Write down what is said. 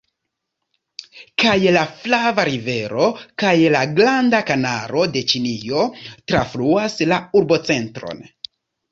Kaj la Flava Rivero kaj la Granda Kanalo de Ĉinio trafluas la urbocentron.